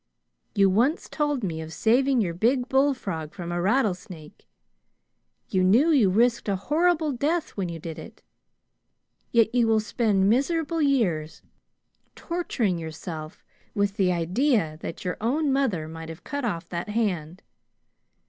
You once told me of saving your big bullfrog from a rattlesnake. You knew you risked a horrible death when you did it. Yet you will spend miserable years torturing yourself with the idea that your own mother might have cut off that hand.